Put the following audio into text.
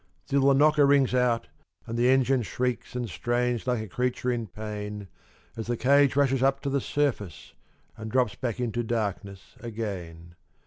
Still the knocker rings out, and the engine shrieks and strains like a creature in pain As the cage rushes up to the surface and drops back into darkness again.